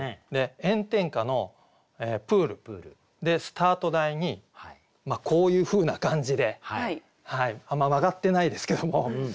炎天下のプールでスタート台にこういうふうな感じであんま曲がってないですけども。